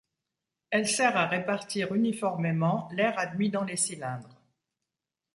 Elle sert à répartir uniformément l'air admis dans les cylindres.